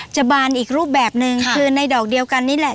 บานอีกรูปแบบหนึ่งคือในดอกเดียวกันนี่แหละ